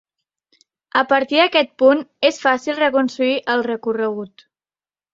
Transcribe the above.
A partir d'aquest punt és fàcil reconstruir el recorregut.